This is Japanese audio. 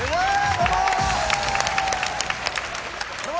どうも。